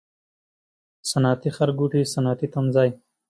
صنعتي ښارګوټی، صنعتي تمځای